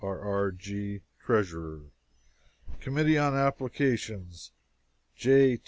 R. G, Treasurer Committee on Applications J.